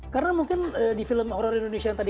karena mungkin di film horror indonesia yang tadi